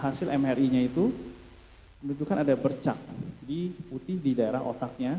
hasil mri nya itu menentukan ada bercak di putih di daerah otaknya